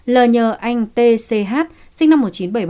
l nhờ anh t c h sinh năm một nghìn chín trăm bảy mươi bảy